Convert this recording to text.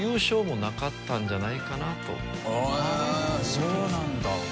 そうなんだ。